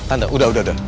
tante udah udah udah